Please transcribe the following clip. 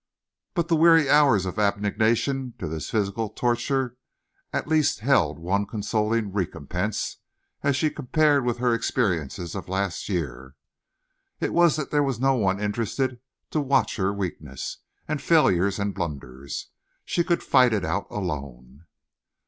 But the weary hours of abnegation to this physical torture at least held one consoling recompense as compared with her experience of last year, and it was that there was no one interested to watch for her weaknesses and failures and blunders. She could fight it out alone.